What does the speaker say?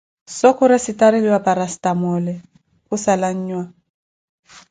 Soo khuressetareliwa parasstamole khussala an'nhwa